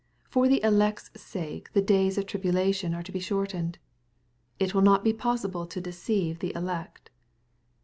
^^ For the elect's sake the days of tribulation are to be shortened." It will not be possible to deceive the " elect."